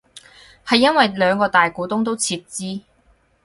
係因為兩個大股東都撤資